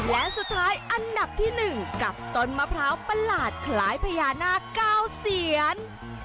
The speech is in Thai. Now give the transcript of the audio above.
และสุดท้ายอันดับที่๑กับต้นมะพร้าวประหลาดคล้ายพญานาค๙เสียน